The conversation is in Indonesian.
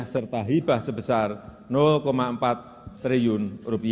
serta hibah sebesar rp empat triliun